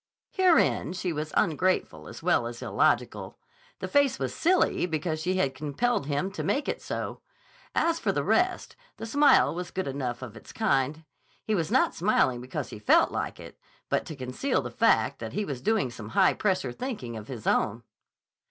(Herein she was ungrateful as well as illogical. The face was silly because she had compelled him to make it so. As for the rest, the smile was good enough of its kind. He was not smiling because he felt like it, but to conceal the fact that he was doing some high pressure thinking of his own.)